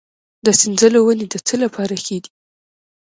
د سنځلو ونې د څه لپاره ښې دي؟